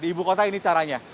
di ibu kota ini caranya